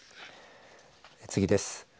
次です。